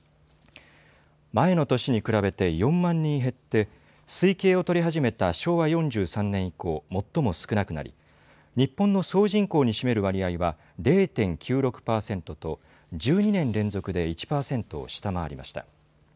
前の年に比べて４万人減って推計を取り始めた昭和４３年以降、最も少なくなり日本の総人口に占める割合は０．９６％と１２年連続で１％を下回りました。